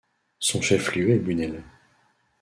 Son chef-lieu est Bunnell.